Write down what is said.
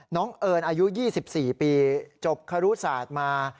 เอิญอายุ๒๔ปีจบครุศาสตร์มา